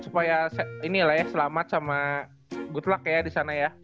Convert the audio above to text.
supaya selamat sama good luck ya di sana ya